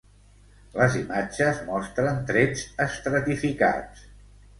Les imatges mostren trets estratificats.